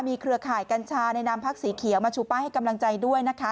เครือข่ายกัญชาในนามพักสีเขียวมาชูป้ายให้กำลังใจด้วยนะคะ